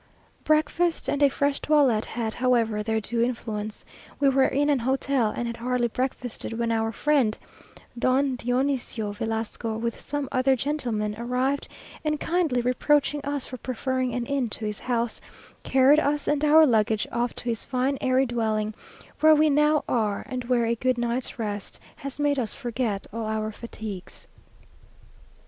Breakfast, and a fresh toilet had, however, their due influence. We were in an hotel, and had hardly breakfasted when our friend, Don Dionisio Velasco, with some other gentlemen, arrived, and kindly reproaching us for preferring an inn to his house, carried us and our luggage off to his fine airy dwelling, where we now are, and where a good night's rest has made us forget all our fatigues.